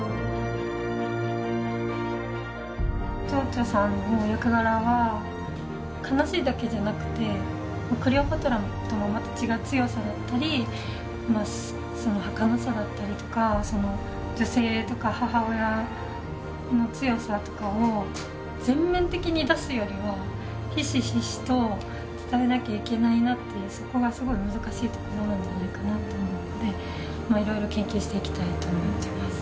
蝶々さんの役柄は悲しいだけじゃなくてクレオパトラともまた違う強さだったりその儚さだったりとかその女性とか母親の強さとかを前面的に出すよりはそこがすごい難しいところなんじゃないかなと思ってまあ色々研究していきたいと思ってます